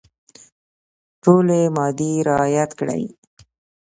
ټولي مادې رعیات کړي.